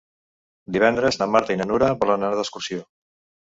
Divendres na Marta i na Nura volen anar d'excursió.